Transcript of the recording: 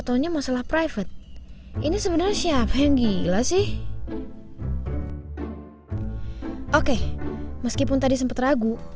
tahunya masalah private ini sebenarnya siapa yang gila sih oke meskipun tadi sempat ragu